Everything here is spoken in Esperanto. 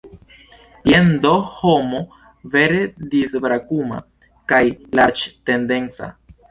Jen do homo vere disbrakuma kaj larĝtendenca!